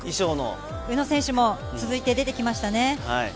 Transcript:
宇野選手も続いて出てきましたね。